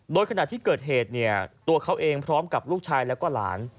โดยขณะที่เกิดเหตุเนี่ยตัวเขาเองพร้อมกับลูกชายแล้วก็หลาน